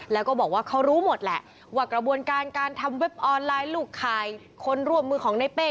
แล้วก็บอกว่าเขารู้หมดแหละว่ากระบวนการการทำเว็บออนไลน์ลูกข่ายคนร่วมมือของในเป้